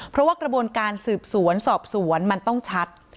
เพราะว่ากระบวนการสืบสวนสอบสวนมันต้องชัด